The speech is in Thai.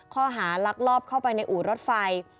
ลักลอบเข้าไปในอู่รถไฟ